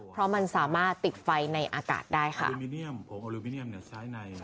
เพราะมันสามารถติดไฟในอากาศได้ค่ะ